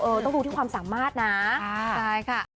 ต้องดูที่ความสามารถนะใช่ค่ะ